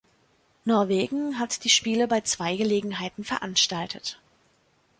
Norwegen hat die Spiele bei zwei Gelegenheiten veranstaltet.